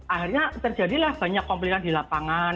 akhirnya terjadilah banyak komplitan di lapangan